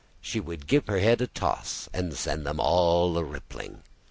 she would give her head a toss and send them all a rippling.